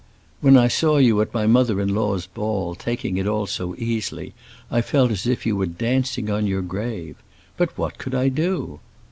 When I saw you at my mother in law's ball, taking it all so easily, I felt as if you were dancing on your grave. But what could I do?